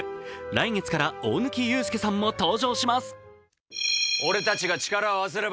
来月から大貫勇輔さんも登場します。